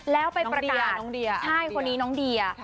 แล้วไปประปาใช่คนนี้น้องเดีย